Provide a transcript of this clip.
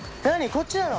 こっちなの？